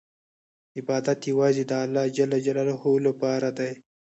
عبادت یوازې د الله لپاره دی.